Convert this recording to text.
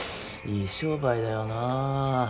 いい商売だよなあ。